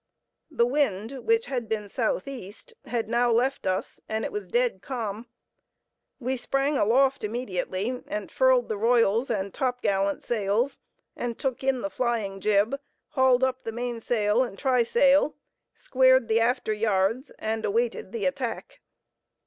The wind, which had been southeast, had now left us, and it was dead calm. We sprang aloft immediately and furled the royals and top gallant sails, and took in the flying jib, hauled up the mainsail and trysail, squared the after yards and awaited the attack.